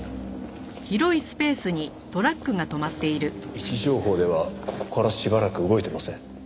位置情報ではここからしばらく動いてません。